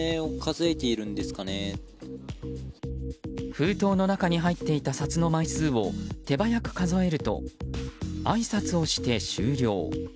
封筒の中に入っていた札の枚数を手早く数えるとあいさつをして終了。